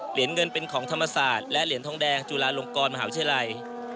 เหรียญเงินเป็นของธรรมศาสตร์และเหรียญทองแดงจุฬาลงกรมหาวิทยาลัย